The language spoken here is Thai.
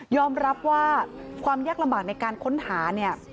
รับว่าความยากลำบากในการค้นหาเนี่ย